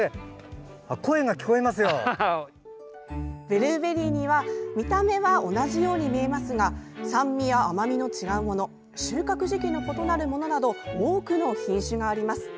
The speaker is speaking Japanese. ブルーベリーには見た目は同じように見えますが酸味や甘みの違うもの収穫時期の異なるものなど多くの品種があります。